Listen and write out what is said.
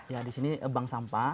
ya di sini bank sampah